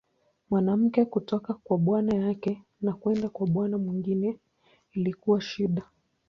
Mwanamke kutoka kwa bwana yake na kwenda kwa bwana mwingine ilikuwa shida.